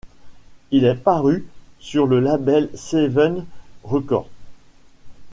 Il est paru sur le label Seventh Records.